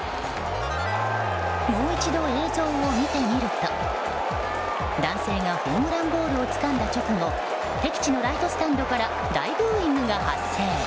もう一度、映像を見てみると男性がホームランボールをつかんだ直後敵地のライトスタンドから大ブーイングが発生。